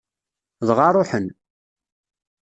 Dɣa ṛuḥen.